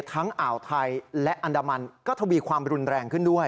อ่าวไทยและอันดามันก็ทวีความรุนแรงขึ้นด้วย